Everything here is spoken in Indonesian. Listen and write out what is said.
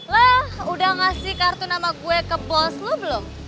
leh udah ngasih kartu nama gue ke bos lo belum